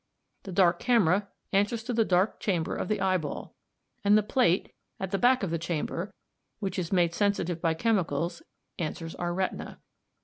The dark camera c answers to the dark chamber of the eyeball, and the plate p, p at the back of the chamber, which is made sensitive by chemicals, answers our retina.